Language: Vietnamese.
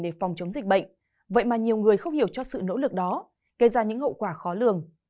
để phòng chống dịch bệnh vậy mà nhiều người không hiểu cho sự nỗ lực đó gây ra những hậu quả khó lường